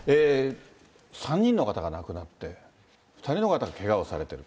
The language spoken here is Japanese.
３人の方が亡くなって、２人の方がけがをされている。